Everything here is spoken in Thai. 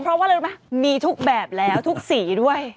เพราะว่าทุกแบบแล้วทุกสีด้วย